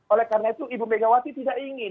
oleh karena itu ibu megawati tidak ingin